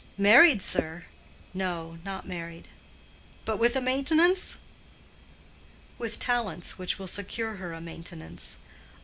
"Married, sir?" "No, not married." "But with a maintenance?" "With talents which will secure her a maintenance.